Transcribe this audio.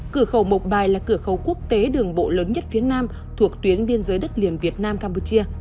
cửa khẩu mộc bài là cửa khẩu quốc tế đường bộ lớn nhất phía nam thuộc tuyến biên giới đất liền việt nam campuchia